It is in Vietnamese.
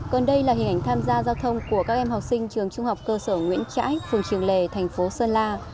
còn đây là hình ảnh tham gia giao thông của các em học sinh trường trung học cơ sở nguyễn trãi phường trường lề thành phố sơn la